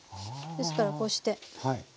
ですからこうして。